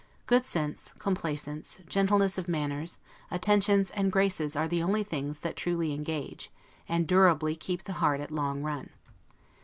Good sense, complaisance, gentleness of manners, attentions and graces are the only things that truly engage, and durably keep the heart at long run.